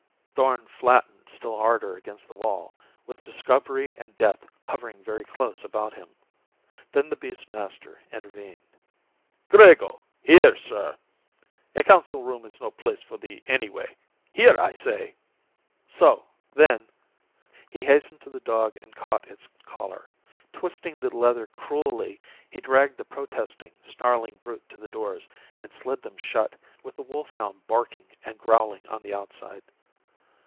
Thorn flattened still harder against the wall, with discovery and death hovering very closely about him. Then the beast's master intervened. "Grego! Here, sir! A council room is no place, for thee, anyway. Here, I say! So, then " He hastened to the dog and caught its collar. Twisting the leather cruelly, he dragged the protesting, snarling brute to the doors and slid them shut with the wolfhound barking and growling on the outside.